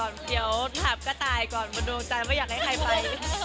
เออเดี๋ยวถับกระต่ายก่อนดูใจว่าอยากให้ใครไป